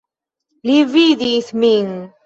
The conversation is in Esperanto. Li vidis min.